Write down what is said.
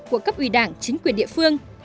của cấp ủy đảng chính quyền địa phương